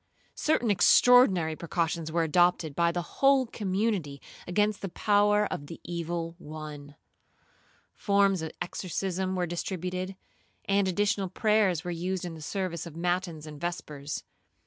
Certain extraordinary precautions were adopted by the whole community against the power of the evil one. Forms of exorcism were distributed, and additional prayers were used in the service of matins and vespers.